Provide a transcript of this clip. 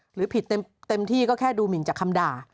หรือผิดเต็มที่ก็แค่ดูหมินจากคำด่า